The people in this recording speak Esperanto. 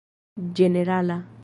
ĝenerala